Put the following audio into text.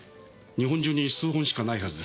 日本中に数本しかないはずです。